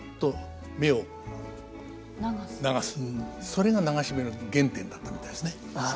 それが流し目の原点だったみたいですね。